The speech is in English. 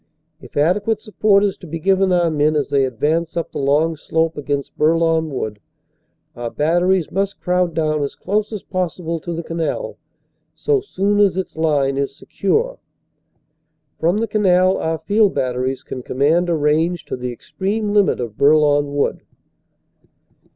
If adequate sup port is to be given our men as they advance up the long slope against Bourlon Wood, our batteries must crowd down as close as possible to the canal so soon as its line is secure. From the canal our field batteries can command a range to the extreme limit of Bourlon Wood.